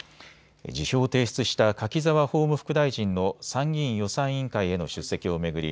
辞表を提出した柿沢法務副大臣の参議院予算委員会への出席を巡り